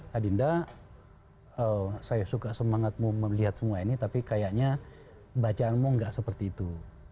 hadinda saya suka semangatmu melihat semua ini tapi kayaknya bacaanmu nggak seperti itu